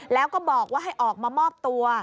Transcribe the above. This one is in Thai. แล้วก็บอกว่าให้ออกมามอบตัว